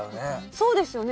そうですよね。